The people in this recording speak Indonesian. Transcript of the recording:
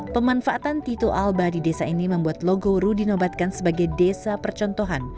pemanfaatan tito alba di desa ini membuat logo ru dinobatkan sebagai desa percontohan